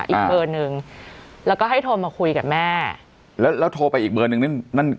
อีกเบอร์หนึ่งแล้วก็ให้โทรมาคุยกับแม่แล้วแล้วโทรไปอีกเบอร์หนึ่งนี่นั่น